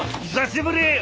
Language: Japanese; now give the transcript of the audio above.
久しぶり！